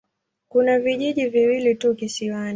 Kuna vijiji viwili tu kisiwani.